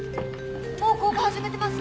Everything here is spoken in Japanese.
もう降下始めてます！